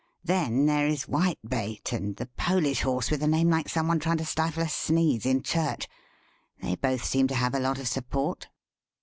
Then there is Whitebait, and the Polish horse with a name like some one trying to stifle a sneeze in church; they both seem to have a lot of support."